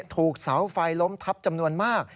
ถูกเสาไฟล้มทับจำนวนมาก